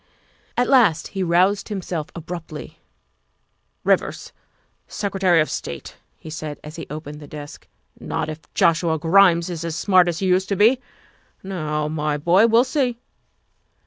At last he roused himself abruptly. " Rivers, Secretary of State," he said, as he opened the desk ;'' not if Joshua Grimes is as smart as he used to be. Now, my boy, we'll see."